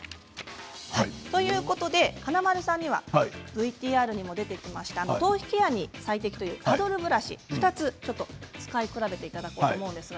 ということで華丸さんにはＶＴＲにも出てきた頭皮ケアに最適というパドルブラシ２つ使い比べていただこうと思います。